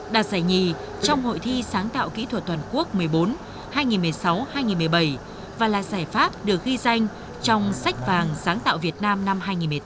đạt giải nhì trong hội thi sáng tạo kỹ thuật toàn quốc một mươi bốn hai nghìn một mươi sáu hai nghìn một mươi bảy và là giải pháp được ghi danh trong sách vàng sáng tạo việt nam năm hai nghìn một mươi tám